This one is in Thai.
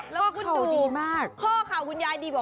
แล้วค่าค่าวุ่นยายดีมาก